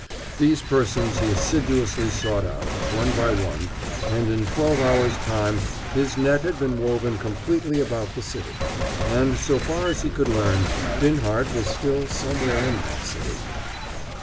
These persons he assiduously sought out, one by one, and in twelve hours' time his net had been woven completely about the city. And, so far as he could learn, Binhart was still somewhere in that city.